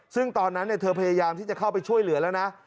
ซึ่งตอนนั้นเธอพยายามที่จะเข้าไปช่วยเหลือแล้วนะ